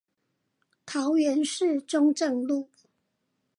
桃園市中正路